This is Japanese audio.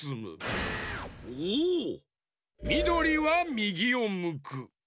みどりはみぎをむく。